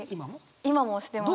今も推してます。